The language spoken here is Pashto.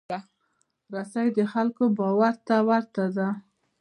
رسۍ د خلکو باور ته ورته ده.